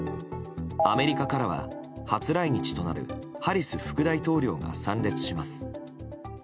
アメリカからは初来日となるハリス副大統領が参列します。